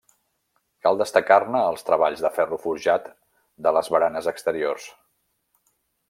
Cal destacar-ne els treballs de ferro forjat de les baranes exteriors.